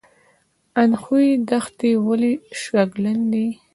اندخوی دښتې ولې شګلن دي؟